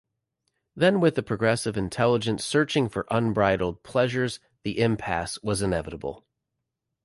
Then with the progressive intelligence searching for unbridled pleasures, the impasse was inevitable.